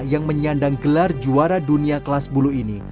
yang menyandang gelar juara dunia kelas bulu ini